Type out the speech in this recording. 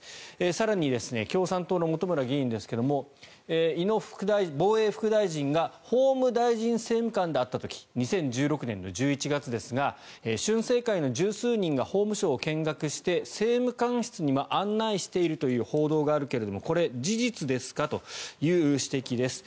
更に、共産党の本村議員ですが井野防衛副大臣が法務大臣政務官であった時２０１６年の１１月ですが俊世会の１０数人が法務省を見学して政務官室にも案内しているという報道があるけれどもこれ、事実ですか？という指摘です。